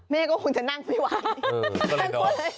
แม่ก็คงจะนั่งไม่ไหว